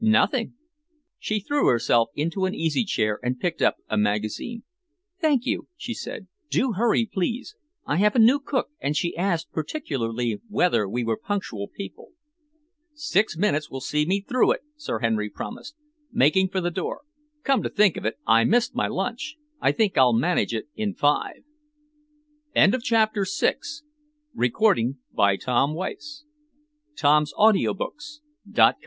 "Nothing!" She threw herself into an easy chair and picked up a magazine. "Thank you," she said. "Do hurry, please. I have a new cook and she asked particularly whether we were punctual people." "Six minutes will see me through it," Sir Henry promised, making for the door. "Come to think of it, I missed my lunch. I think I'll manage it in five." CHAPTER VII Sir Henry was in a pleasant and expansive humour that evening.